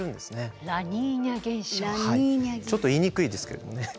ちょっと言いにくいですけれどもね。